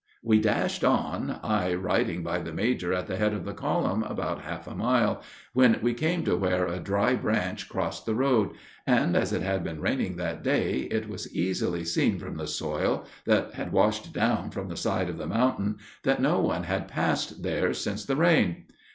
We dashed on, I riding by the major at the head of the column about half a mile, when we came to where a dry branch crossed the road, and, as it had been raining that day, it was easily seen from the soil that had washed down from the side of the mountain that no one had passed there since the rain.